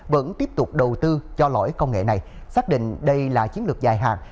vẫn tiếp tục đầu tư cho lõi công nghệ này xác định đây là chiến lược dài hàng